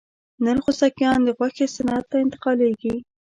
نر خوسکایان د غوښې صنعت ته انتقالېږي.